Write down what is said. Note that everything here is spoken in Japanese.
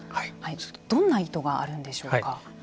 どんな意図があるんでしょうか。